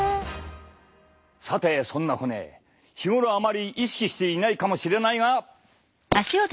さてそんな骨日頃あまり意識していないかもしれないが。